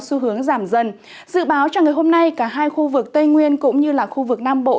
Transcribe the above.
xu hướng giảm dần dự báo trong ngày hôm nay cả hai khu vực tây nguyên cũng như là khu vực nam bộ